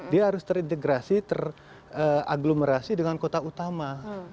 dia harus terintegrasi teraglomerasi dengan kota utama